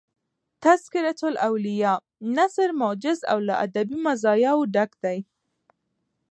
"تذکرةالاولیاء" نثر موجز او له ادبي مزایاو ډک دﺉ.